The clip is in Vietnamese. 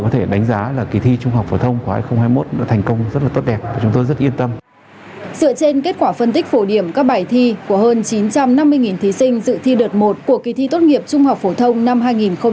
trong các bài thi của hơn chín trăm năm mươi thí sinh dự thi đợt một của kỳ thi tốt nghiệp trung học phổ thông năm hai nghìn hai mươi một